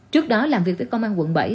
trước đó làm việc với công an quận bảy